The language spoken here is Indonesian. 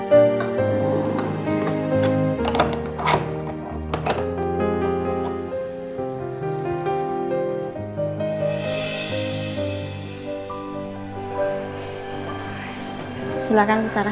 hai silakan emer evangel